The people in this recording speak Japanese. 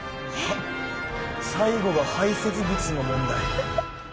最後が排せつ物の問題。